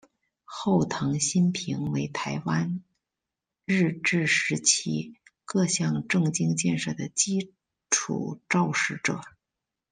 后藤新平为台湾日治时期各项政经建设的基础肇始者。